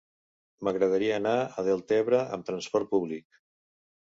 M'agradaria anar a Deltebre amb trasport públic.